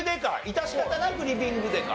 致し方なくリビングでか。